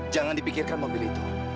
jangan dipikirkan mobil itu